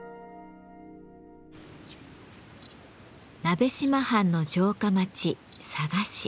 鍋島藩の城下町佐賀市。